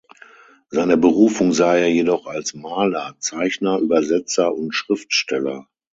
Seine Berufung sah er jedoch als Maler, Zeichner, Übersetzer und Schriftsteller.